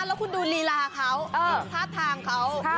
แล้วคุณดูลีลาเขาท่าทางเขา